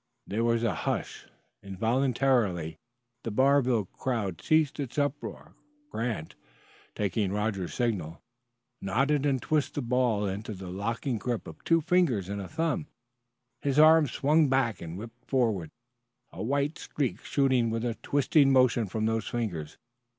There was a hush. Involuntarily, the Barville crowd ceased its uproar. Grant, taking Roger's signal, nodded and twisted the ball into the locking grip of two fingers and a thumb. His arm swung back and whipped forward, a white streak shooting with a twisting motion from those fingers.